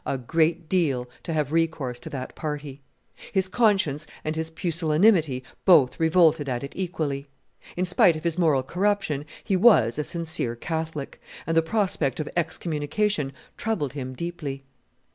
a great deal to have recourse to that party; his conscience and his pusillanimity both revolted at it equally; in spite of his moral corruption, he was a sincere Catholic, and the prospect of excommunication troubled him deeply.